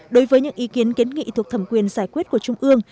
đối với những ý kiến kiến nghị thuộc thẩm quyền giải quyết của trung ương